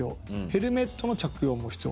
ヘルメットの着用も必要。